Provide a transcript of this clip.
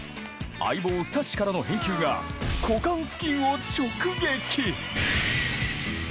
相棒スタッシからの返球が股間付近を直撃！